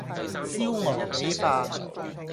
燒鵝髀飯